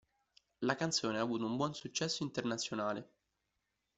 La canzone ha avuto un buon successo internazionale.